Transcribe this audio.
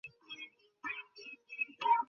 আর দানব শিকার নয়!